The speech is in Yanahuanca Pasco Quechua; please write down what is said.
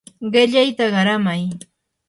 qillayta qaramay.